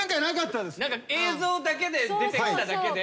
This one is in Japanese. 映像だけ出てきただけで。